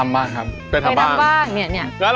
มันเป็นอะไร